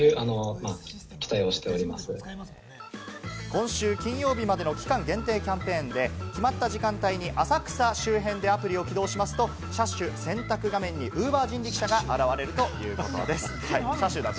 今週金曜日までの期間限定キャンペーンで、決まった時間帯に浅草周辺でアプリを起動しますと、車種選択画面にＵｂｅｒ人力車が現れるということです。